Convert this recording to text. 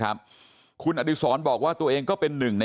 ขอบคุณเลยนะฮะคุณแพทองธานิปรบมือขอบคุณเลยนะฮะ